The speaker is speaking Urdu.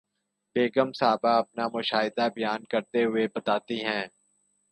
بیگم صاحبہ اپنا مشاہدہ بیان کرتے ہوئے بتاتی ہیں